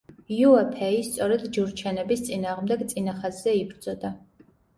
იუე ფეი სწორედ ჯურჩენების წინააღმდეგ წინა ხაზზე იბრძოდა.